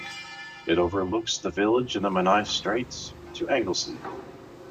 It overlooks the village and the Menai Straits to Anglesey.